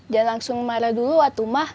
jangan langsung marah dulu